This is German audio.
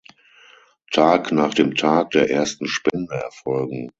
Tag nach dem Tag der ersten Spende erfolgen.